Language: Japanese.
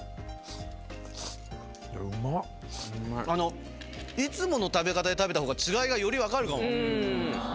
あのいつもの食べ方で食べたほうが違いがより分かるかも。